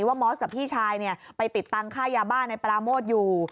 มอสกับพี่ชายไปติดตังค่ายาบ้าในปราโมทอยู่